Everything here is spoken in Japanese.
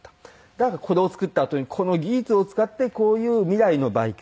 だからこれを作ったあとにこの技術を使ってこういう未来のバイク。